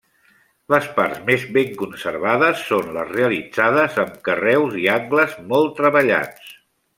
Les parts més ben conservades són les realitzades amb carreus i angles molt treballats.